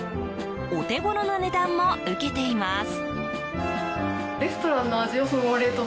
お手頃な値段も受けています。